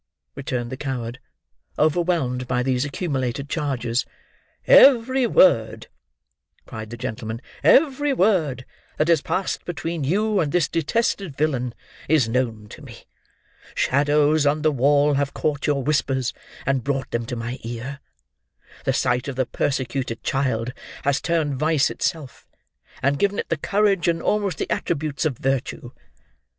returned the coward, overwhelmed by these accumulated charges. "Every word!" cried the gentleman, "every word that has passed between you and this detested villain, is known to me. Shadows on the wall have caught your whispers, and brought them to my ear; the sight of the persecuted child has turned vice itself, and given it the courage and almost the attributes of virtue.